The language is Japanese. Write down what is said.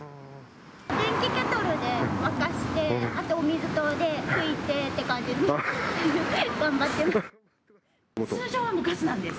電気ケトルで沸かして、あとお水で拭いてって感じで頑張ってます。